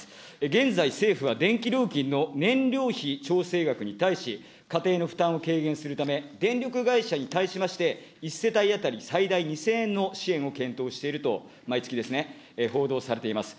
現在、政府は電気料金の燃料費調整額に対し、家庭の負担を軽減するため、電力会社に対しまして、１世帯当たり最大２０００円の支援を検討していると、毎月ですね、報道されています。